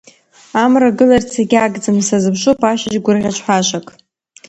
Амра гыларц егьагӡам, сазыԥшуп ашьыжь гәырӷьаҿҳәашак.